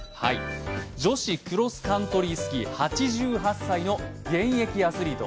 女子クロスカントリースキー８８歳の現役アスリート。